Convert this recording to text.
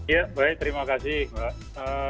ya baik terima kasih mbak